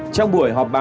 trong buổi họp báo